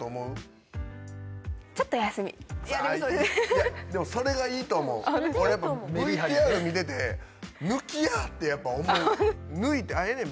いやでもそれがいいと思うやっぱＶＴＲ見てて「抜きや」ってやっぱ思う抜いてああええねん